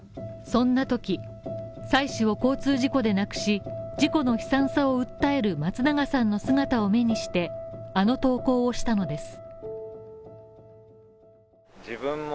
そんなとき、妻子を交通事故で亡くし事故の悲惨さを訴える松永さんの姿を目にして、あの投稿をしたのです。